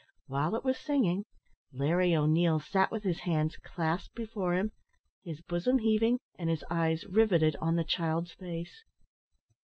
While it was singing, Larry O'Neil sat with his hands clasped before him, his bosom heaving, and his eyes riveted on the child's face.